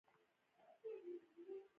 هغه وويل چې دلته خو داسې کيسه ده.